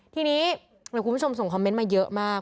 ทีนี้คุณผู้ชมส่งคอมเมนต์มาเยอะมาก